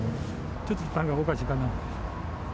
ちょっと負担がおかしいかな。